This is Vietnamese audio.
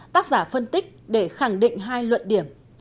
tác giả phân tích để khẳng định hai luận điểm